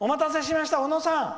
お待たせしました！